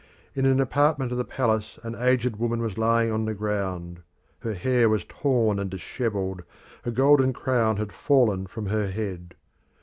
In an apartment of the palace an aged woman was lying on the ground; her hair was torn and dishevelled; a golden crown had fallen from her head.